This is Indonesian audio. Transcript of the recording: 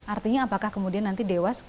artinya apakah kemudian nanti dewas